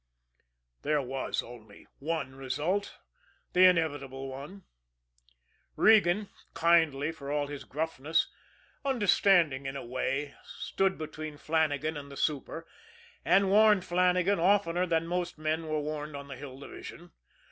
There was only one result the inevitable one. Regan, kindly for all his gruffness, understanding in a way, stood between Flannagan and the super and warned Flannagan oftener than most men were warned on the Hill Division.